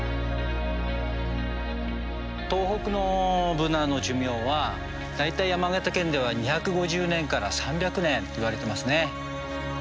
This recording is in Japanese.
東北のブナの寿命は大体山形県では２５０年から３００年といわれてますね。